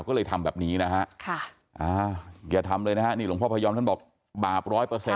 ก็เลยทำแบบนี้นะฮะอย่าทำเลยนะฮะหลวงพ่อพยอมท่านบอกบาปร้อยเปอร์เซ็นต์